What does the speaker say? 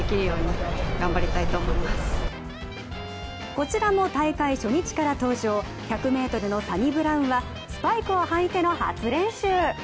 こちらも大会初日から登場１００ｍのサニブラウンはスパイクを履いての初練習。